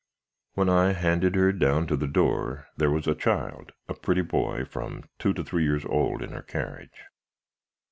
When I handed her down to the door, there was a child, a pretty boy from two to three years old, in her carriage.